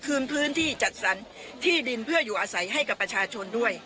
คืนพื้นที่จัดสรรที่ดินเพื่ออยู่อาศัยให้กับประชาชนด้วย